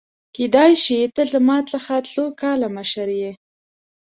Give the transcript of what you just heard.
کيدای شي ته زما څخه څو کاله مشر يې !؟